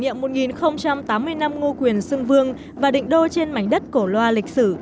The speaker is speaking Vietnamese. lễ kỷ niệm một tám mươi năm ngô quyền sơn vương và định đô trên mảnh đất cổ loa lịch sử